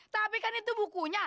tapi kan itu bukunya